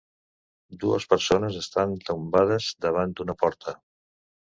Dues persones estan tombades davant d'una porta.